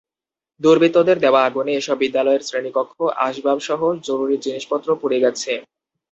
দুর্বৃত্তদের দেওয়া আগুনে এসব বিদ্যালয়ের শ্রেণীকক্ষ, আসবাবসহ জরুরি জিনিসপত্র পুড়ে গেছে।